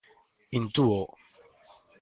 Intúo.